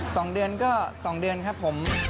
สองเดือนก็สองเดือนครับผม